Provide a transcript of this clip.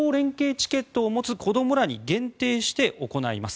チケットを持つ子どもらに限定して行われます。